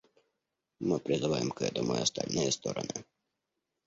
Мы призываем к этому и остальные стороны.